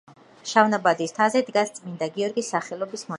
შავნაბადის მთაზე დგას წმინდა გიორგის სახელობის მონასტერი.